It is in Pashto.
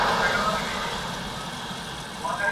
دسرونو په کاسوکي ..